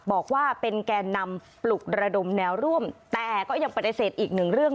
บอกว่าเป็นแก่นำปลุกระดมแนวร่วมแต่ก็ยังปฏิเสธอีกหนึ่งเรื่อง